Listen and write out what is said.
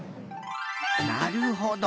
なるほど。